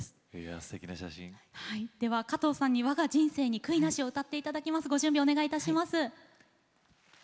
加藤さんに「わが人生に悔いなし」を歌っていただきます。